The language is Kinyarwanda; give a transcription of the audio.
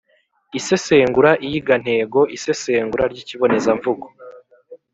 Isesengura iyigantego, isesengura ry’ikibonezamvugo